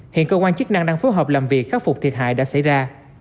hiện cơ quan chức năng đang phối hợp làm việc khắc phục thiệt hại đã xảy ra